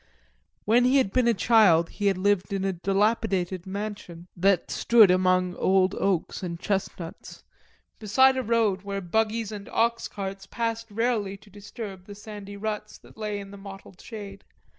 When he had been a child he had lived in a dilapidated mansion that stood among old oaks and chestnuts, beside a road where buggies and oxcarts passed rarely to disturb the sandy ruts that lay in the mottled shade.